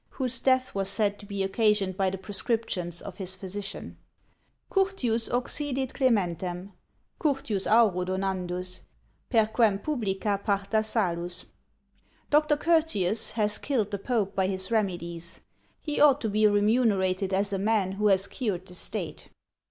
whose death was said to be occasioned by the prescriptions of his physician: Curtius occidit Clementem; Curtius auro Donandus, per quem publica parta salus. "Dr. Curtius has killed the pope by his remedies; he ought to be remunerated as a man who has cured the state."